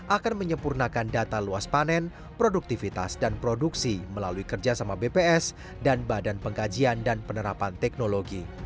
akan menyempurnakan data luas panen produktivitas dan produksi melalui kerjasama bps dan badan pengkajian dan penerapan teknologi